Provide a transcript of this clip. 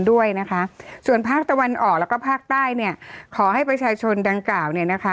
ด้วยนะคะส่วนภาคตะวันออกแล้วก็ภาคใต้เนี่ยขอให้ประชาชนดังกล่าวเนี่ยนะคะ